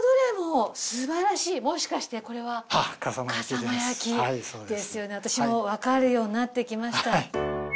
もしかしてこれは。ですよね。私もわかるようになってきました。